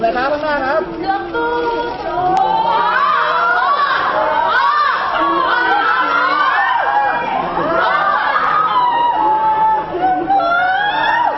สารตาขาเลียกกก่อนเลย